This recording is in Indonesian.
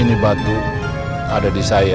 ini batu ada di saya